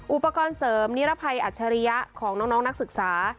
อุปกรณ์เสริมนิรภัยอัจฉริยะของน้องนักศึกษา